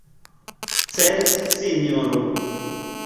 Certe, Sinjoro!